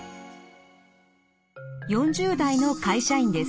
４０代の会社員です。